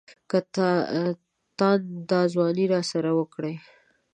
که تاند دا ځواني راسره وکړي.